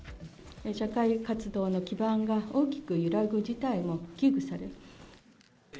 社会活動の基盤が大きく揺らぐ事態も危惧される。